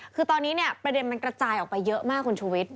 คือตอนนี้เนี่ยประเด็นมันกระจายออกไปเยอะมากคุณชุวิต